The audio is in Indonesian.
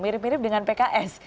mirip mirip dengan pks